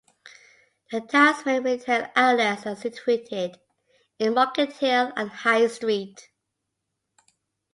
The town's main retail outlets are situated in Market Hill and High Street.